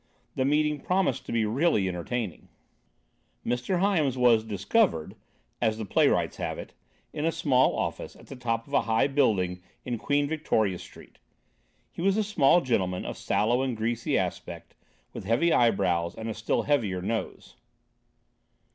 The meeting promised to be really entertaining. Mr. Hyams was "discovered," as the playwrights have it, in a small office at the top of a high building in Queen Victoria Street. He was a small gentleman, of sallow and greasy aspect, with heavy eyebrows and a still heavier nose.